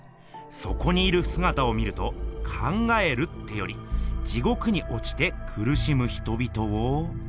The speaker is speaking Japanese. そこにいるすがたを見ると考えるってより地獄におちてくるしむ人々を。